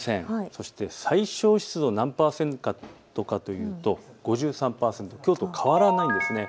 そして最小湿度が何％かというと５３％、きょうと変わらないです。